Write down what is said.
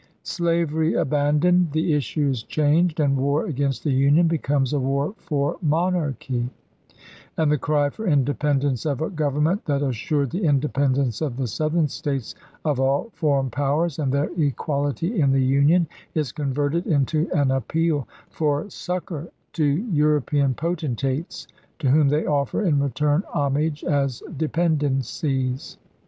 "' Slavery abandoned, the issue is changed and war against the Union becomes a war for monarchy ; and the cry for independence of a government that assured the independence of the Southern States of all foreign powers and their equality in the Union, is converted into an appeal for succor to European potentates, to whom they offer, in return, homage as dependencies